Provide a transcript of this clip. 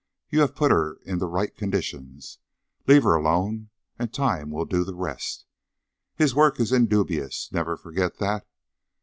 You have put her in the right conditions. Leave her alone and Time will do the rest. His work is indubious; never forget that.